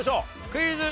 クイズ。